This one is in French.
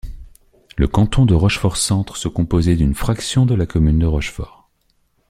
Le canton de Rochefort-Centre se composait d’une fraction de la commune de Rochefort.